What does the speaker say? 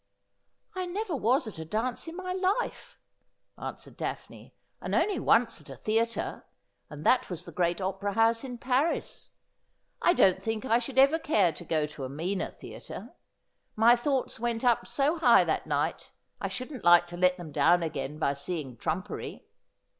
' I never was at a dance in my life,' answered Daphne, ' and only once at a theatre, and that was the great opera house in Paris. I don't think I should ever care to go to a meaner theatre. My thoughts went up so high that night, I shouldn't like to let them down again by seeing Irampery.'